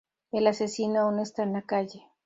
El asesino aún está en la calle